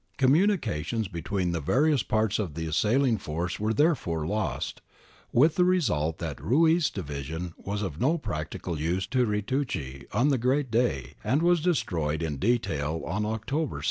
Communications between the various parts of the assailing force were therefore lost, with the result that Ruiz' division was of no practical use to Ritucci on the great day and was destroyed in detail on October 2.